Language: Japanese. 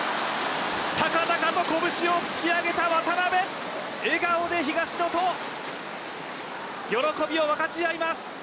高々と拳を突き上げた渡辺、笑顔で東野と喜びを分かち合います。